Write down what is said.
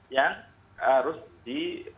yang harus di